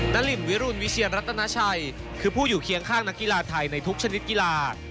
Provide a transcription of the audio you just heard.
ลินวิรุณวิเชียรัตนาชัยคือผู้อยู่เคียงข้างนักกีฬาไทยในทุกชนิดกีฬา